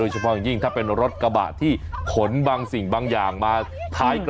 หมดรถส่วงมากี๊